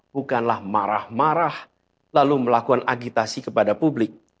bukanlah marah marah lalu melakukan agitasi kepada publik